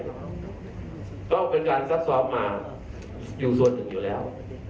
ก็เป็นการซับซอบมาอยู่ส่วนถึงอยู่แล้ว